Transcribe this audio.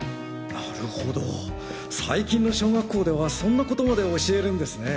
なるほど最近の小学校ではそんなことまで教えるんですね。